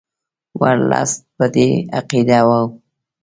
ورلسټ په دې عقیده وو.